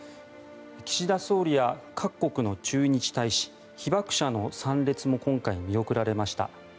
岸田総理や各国の駐日大使被爆者の参列も今回は見送られました。